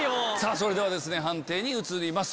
それでは判定に移ります。